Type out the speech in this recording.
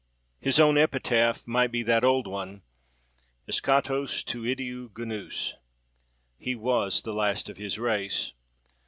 His own epitaph might be that old one eskhatos tou idiou genous+ —He was the last of his race!